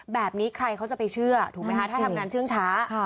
แบบนี้ใครเขาจะไปเชื่อถูกไหมคะถ้าทำงานเชื่องช้า